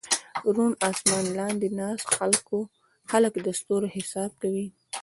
د روڼ اسمان لاندې ناست خلک د ستورو حساب کوي.